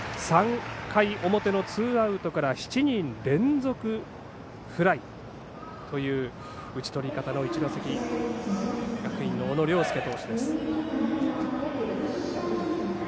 ３回表のツーアウトから７人連続フライという打ち取り方の一関学院の小野涼介投手です。